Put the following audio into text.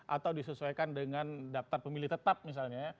atau disesuaikan dengan daftar pemilih tetap misalnya ya